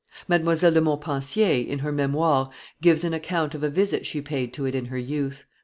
Mdlle. de Montpensier, in her Memoires, gives an account of a visit she paid to it in her youth.